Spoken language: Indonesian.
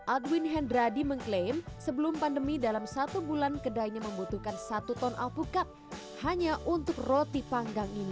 aldwin hendradi mengklaim sebelum pandemi dalam satu bulan kedainya membutuhkan satu ton alpukat hanya untuk roti panggang ini